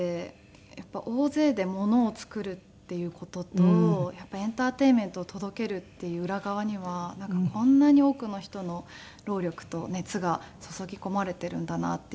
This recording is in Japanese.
やっぱり大勢でものを作るっていう事とエンターテインメントを届けるっていう裏側にはこんなに多くの人の労力と熱が注ぎ込まれているんだなっていうのが。